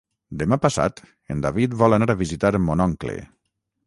Demà passat en David vol anar a visitar mon oncle.